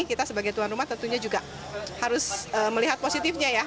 kita sebagai tuan rumah tentunya juga harus melihat positifnya ya